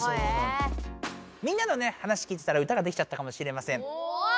みんなのね話聞いてたら歌ができちゃったかもしれません。